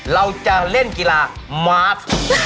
เราจะเล่นกิฬามาฟ